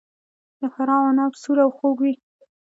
د فراه عناب سور او خوږ وي.